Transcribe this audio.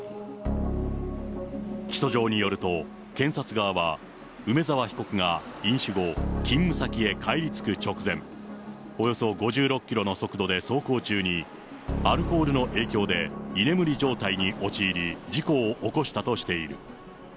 起訴状によると、検察側は梅沢被告が飲酒後、勤務先へ帰りつく直前、およそ５６キロの速度で走行中に、アルコールの影響で、居眠り状態に陥り、事故を起こしたとしている。